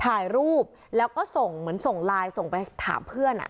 ถ่ายรูปแล้วก็ส่งเหมือนส่งไลน์ส่งไปถามเพื่อน